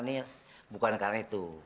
nih bukan karena itu